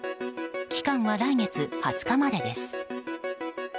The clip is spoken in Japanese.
期間は来月２０日までです。